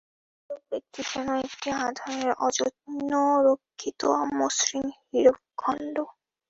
এইরূপ ব্যক্তি যেন একটি আধারে অযত্নরক্ষিত অমসৃণ হীরকখণ্ড।